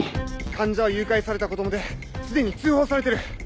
患者は誘拐された子供で既に通報されてる！